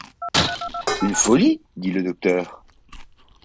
Une folie ? dit le docteur.